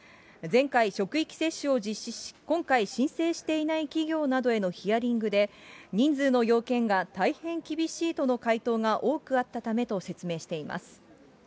前回職域接種を実施し、今回、申請していない企業などへのヒアリングで、人数の要件が大変厳しいとの回答が多くあったためと説明しています。